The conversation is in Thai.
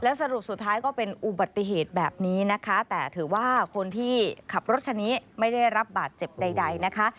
สรุปสุดท้ายก็เป็นอุบัติเหตุแบบนี้นะคะแต่ถือว่าคนที่ขับรถคันนี้ไม่ได้รับบาดเจ็บใดนะคะ